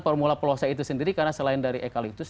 formula pelosa itu sendiri karena selain dari ekaliptus